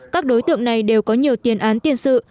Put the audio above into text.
các đối tượng này đều có nhiều tiền án tiền sự